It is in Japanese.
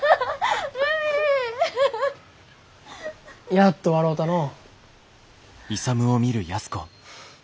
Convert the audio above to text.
やっと笑うたのう。